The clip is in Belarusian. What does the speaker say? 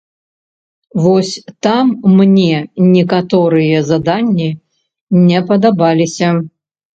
Вось там мне некаторыя заданні не падабаліся.